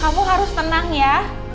kamu harus tenang ya